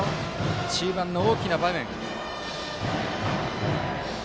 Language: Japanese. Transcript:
中盤の大きな場面。